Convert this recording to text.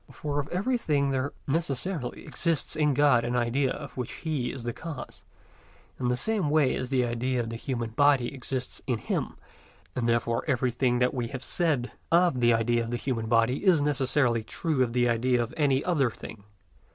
For of everything there necessarily exists in God an idea of which He is the cause, in the same way as the idea of the human body exists in Him; and therefore everything that we have said of the idea of the human body is necessarily true of the idea of any other thing.